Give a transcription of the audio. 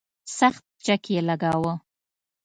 سخت چک یې لګاوه.